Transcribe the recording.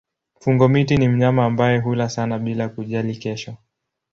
Fungo-miti ni mnyama ambaye hula sana bila kujali kesho.